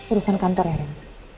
urusan kantor ya rem